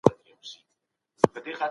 د تجربې ارزښت څه و؟